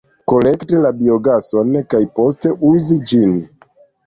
Kolekti la biogason kaj poste uzi ĝin.